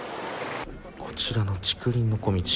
こちらの竹林の小道